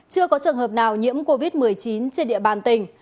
chưa có trường hợp nào nhiễm covid một mươi chín trên địa bàn tỉnh